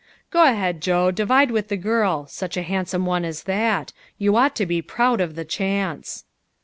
" Go ahead, Joe, divide with the girl. Such a handsome one as that. You ought to be proud of the chance."